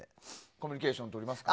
コミュニケーションとりますか。